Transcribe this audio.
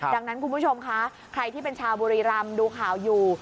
ดังนั้นคุณผู้ชมคะใครที่เป็นชาวบุรีรำดูข่าวอยู่